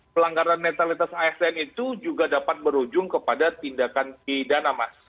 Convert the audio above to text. pelanggaran netralitas asn itu juga dapat berujung kepada tindakan pidana mas